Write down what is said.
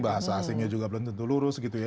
bahasa asingnya juga belum tentu lurus gitu ya